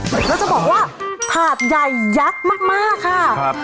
แล้วจะบอกว่าถาดใหญ่ยักษ์มากค่ะ